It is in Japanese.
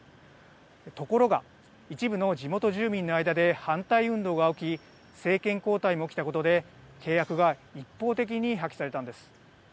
ところが、一部の地元住民の間で反対運動が起き政権交代も起きたことで契約が一方的に破棄されたんです。